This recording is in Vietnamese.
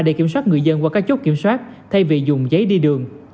để kiểm soát người dân qua các chốt kiểm soát thay vì dùng giấy đi đường